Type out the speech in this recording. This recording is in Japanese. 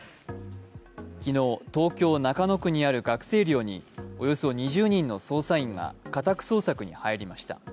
昨日、東京・中野区にある学生寮におよそ２０人の捜査員が家宅捜索に入りました。